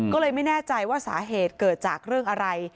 ก็เลยไม่แน่ใจว่าสาเหตุเกิดจากเรื่องอะไร